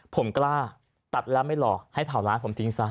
ผมกล้าตัดแล้วไม่หลอกให้เผาร้านผมทิ้งซะ